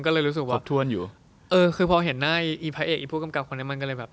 ก็เลยรู้สึกว่าพอเห็นหน้าไอ้พระเอกไอ้ผู้กำกับคนนั้นมันก็เลยแบบ